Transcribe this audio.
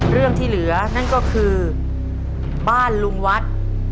เรื่องที่เหลือนั่นก็คือบ้านลุงวัด